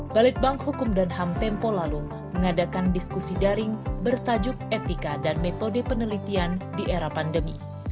balitbank hukum dan ham tempo lalu mengadakan diskusi daring bertajuk etika dan metode penelitian di era pandemi